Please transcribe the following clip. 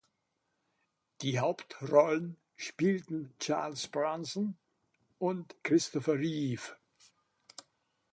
Die Hauptrollen spielten Charles Bronson und Christopher Reeve.